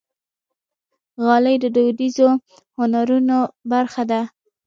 غالۍ د دودیزو هنرونو برخه ده.